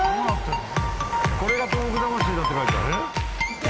「これが東北魂だ」って書いてあるえっ！？